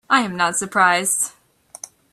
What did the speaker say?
I am not surprised.